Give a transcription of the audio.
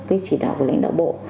cái chỉ đạo của lãnh đạo bộ